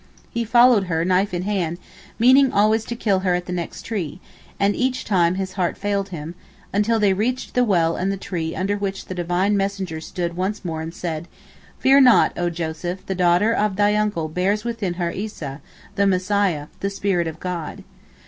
He followed her, knife in hand, meaning always to kill her at the next tree, and each time his heart failed him, until they reached the well and the tree under which the Divine messenger stood once more and said, 'Fear not oh Joseph, the daughter of thy uncle bears within her Eesa, the Messiah, the Spirit of God.